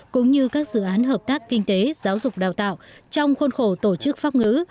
cũng như các dự án hợp tác kinh tế giáo dục đào tạo trong khuôn khổ tổ chức pháp ngữ